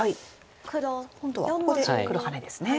今度はここで黒ハネですね。